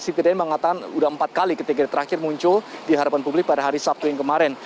siti daya mengatakan sudah empat kali ketika terakhir muncul di hadapan publik pada hari sabtu yang kemarin